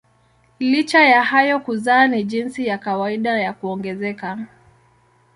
Licha ya hayo kuzaa ni jinsi ya kawaida ya kuongezeka.